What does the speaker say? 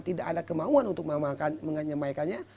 tidak ada kemauan untuk menyampaikannya